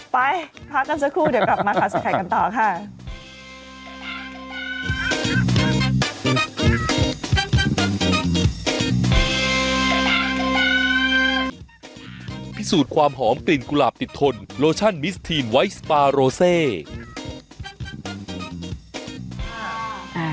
ไปพักนั้นสักครู่เดี๋ยวกลับมาค่ะสกัดกันต่อค่ะ